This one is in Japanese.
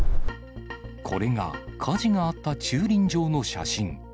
これが火事があった駐輪場の写真。